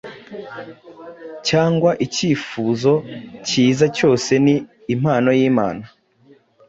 cyangwa icyifuzo cyiza cyose ni impano y’Imana.